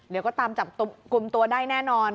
เดี๋ยวก็ตามจับกลุ่มตัวได้แน่นอน